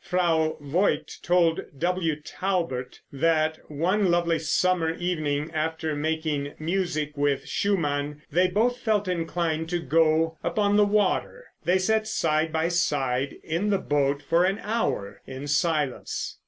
Frau Voigt told W. Taubert that one lovely summer evening after making music with Schumann, they both felt inclined to go upon the water. They sat side by side in the boat for an hour in silence.